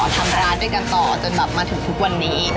ทำร้านด้วยกันต่อจนแบบมาถึงทุกวันนี้